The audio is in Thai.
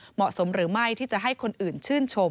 เหมาะสมหรือไม่ที่จะให้คนอื่นชื่นชม